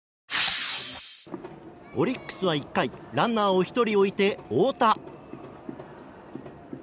オリックスは１回ランナーを１人置いて、太田。